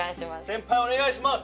先輩おねがいします。